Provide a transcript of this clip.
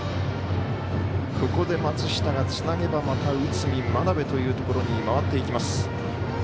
ここで松下がつなげば内海、真鍋というところに回っていきます。